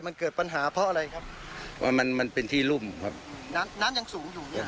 มันเกิดปัญหาเพราะอะไรครับว่ามันมันเป็นที่รุ่มครับน้ำน้ำยังสูงอยู่อย่างเงี้